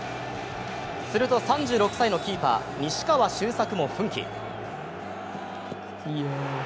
すると３６歳のキーパー、西川周作も奮起。